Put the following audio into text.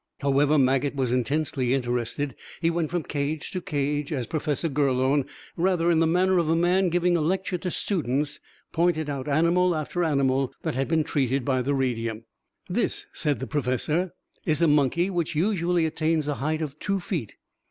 However, Maget was intensely interested. He went from cage to cage as Professor Gurlone, rather in the manner of a man giving a lecture to students, pointed out animal after animal that had been treated by the radium. "This," said the professor, "is a monkey which usually attains a height of two feet.